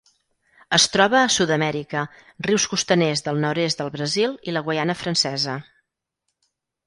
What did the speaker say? Es troba a Sud-amèrica: rius costaners del nord-est del Brasil i la Guaiana Francesa.